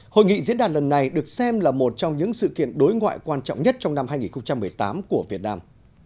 hội nghị diễn đàn lần này được xem là một trong những sự kiện đối ngoại quan trọng nhất trong năm hai nghìn một mươi tám của việt nam